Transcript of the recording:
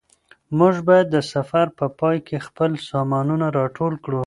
موږ باید د سفر په پای کې خپل سامانونه راټول کړو.